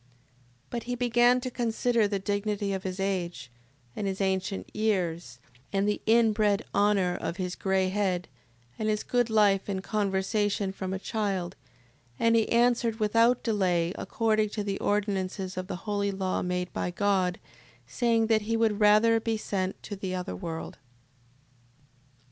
6:23. But he began to consider the dignity of his age, and his ancient years, and the inbred honour of his grey head, and his good life and conversation from a child; and he answered without delay, according to the ordinances of the holy law made by God, saying, that he would rather be sent into the other world.